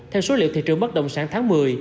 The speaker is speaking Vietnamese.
theo số liệu thị trường bất động sản tháng một mươi